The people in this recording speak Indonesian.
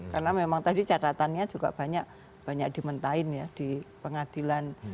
karena memang tadi catatannya juga banyak banyak dimentain ya di pengadilan